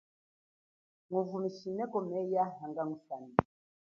Nguvumineko meya hanga ngusane.